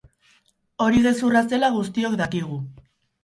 Hori gezurra zela guztiok dakigu.